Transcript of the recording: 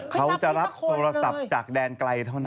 เขาจะรับโทรศัพท์จากแดนไกลเท่านั้น